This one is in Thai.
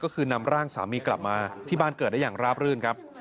ก็คือนำร่างสามีกลับมาที่บ้านเกิดได้อย่างราบรื่นครับ